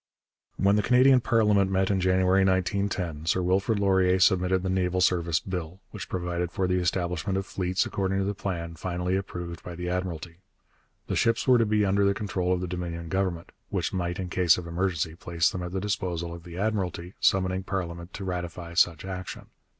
When the Canadian parliament met in January 1910 Sir Wilfrid Laurier submitted the Naval Service Bill, which provided for the establishment of fleets according to the plan finally approved by the Admiralty. The ships were to be under the control of the Dominion Government, which might, in case of emergency, place them at the disposal of the Admiralty, summoning parliament to ratify such action.